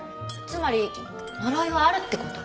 つまり呪いはあるってこと！？